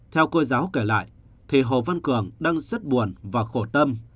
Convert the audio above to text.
theo cô giáo kể lại thì hồ văn cường đang rất buồn và khổ tâm